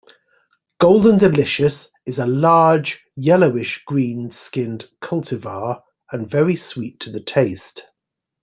Golden Delicious is a large, yellowish-green skinned cultivar and very sweet to the taste.